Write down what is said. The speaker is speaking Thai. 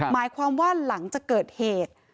หมายความว่าหลังจากเกิดเหตุ